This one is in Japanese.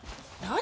何？